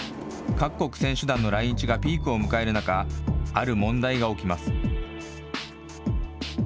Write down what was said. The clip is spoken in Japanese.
各国選手団の来日がピークを迎える中、ある問題が起きます。